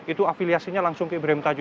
itu afiliasinya langsung ke ibrim tajuh